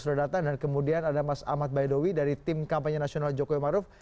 sudah datang dan kemudian ada mas ahmad baidowi dari tim kampanye nasional jokowi maruf